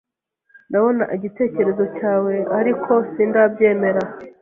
Ndabona igitekerezo cyawe, ariko sindabyemera.